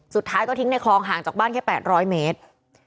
สุดท้ายก็ทิ้งในคลองห่างจากบ้านแค่๘๐๐เมตร